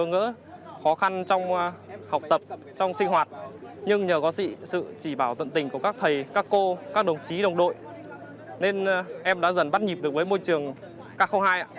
em đã gặp nhiều bơ khó khăn trong học tập trong sinh hoạt nhưng nhờ có sự chỉ bảo tận tình của các thầy các cô các đồng chí đồng đội nên em đã dần bắt nhịp được với môi trường k hai